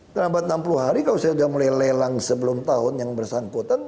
terlambat enam puluh hari kalau saya sudah mulai lelang sebelum tahun yang bersangkutan